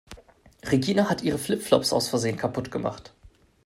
Regina hat ihre Flip-Flops aus Versehen kaputt gemacht.